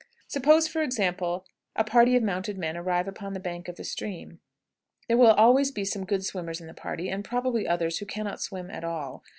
Suppose, for example, a party of mounted men arrive upon the bank of the stream. There will always be some good swimmers in the party, and probably others who can not swim at all.